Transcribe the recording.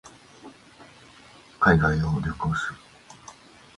海外を旅する